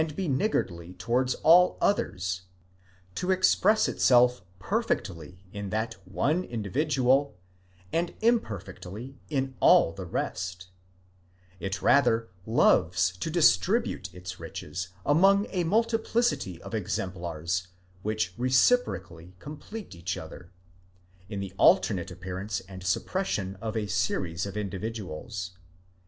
be niggardly towards all others*—to express itself perfectly in that one indivi dual, and imperfectly in all the rest: it rather loves to distribute its riches among a multiplicity of exemplars which reciprocally complete each other— in the alternate appearance and suppression of a series of individuals.